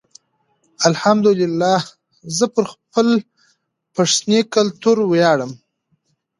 الحمدالله زه پر خپل پښنې کلتور ویاړم.